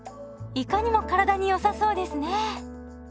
いかにも体に良さそうですね。